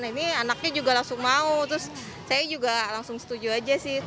ini anaknya juga langsung mau terus saya juga langsung setuju aja sih